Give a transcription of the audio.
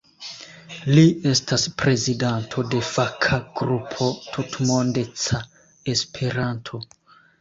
Li estas prezidanto de faka grupo "Tutmondeca Esperanto".